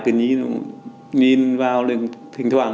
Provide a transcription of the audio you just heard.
cứ nhìn vào thỉnh thoảng